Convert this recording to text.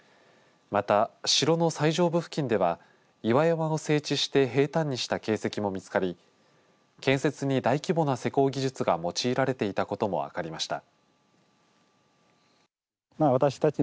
城の最上部付近では岩山を整地して平坦にした形跡も見つかり建設に大規模な施工技術が用いられていたことも分かりました。